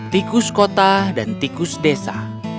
tikus kota dan tikus desa